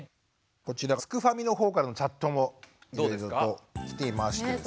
こちらすくファミのほうからのチャットもいろいろと来ていましてですね。